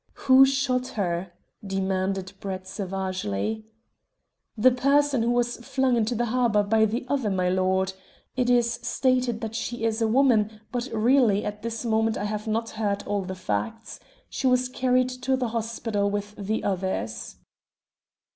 "Who shot her?" demanded Brett savagely. "The person who was flung into the harbour by the other milord. It is stated that she is a woman, but really at this moment I have not heard all the facts. She was carried to the hospital with the others."